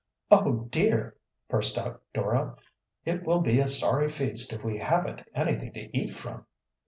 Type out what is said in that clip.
"Oh, dear!" burst out Dora. "It will be a sorry feast if we haven't anything to eat from!"